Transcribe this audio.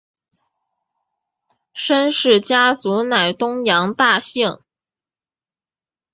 申氏家族乃东阳大姓。